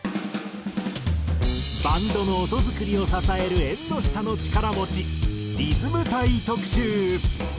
バンドの音作りを支える縁の下の力持ちリズム隊特集。